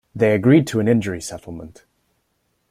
They agreed to an injury settlement.